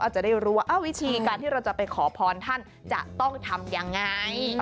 จะได้รู้ว่าวิธีการที่เราจะไปขอพรท่านจะต้องทำยังไง